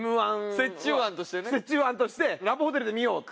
折衷案として「ラブホテルで見よう」って。